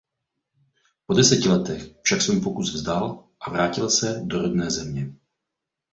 Po deseti letech však svůj pokus vzdal a vrátil se do rodné země.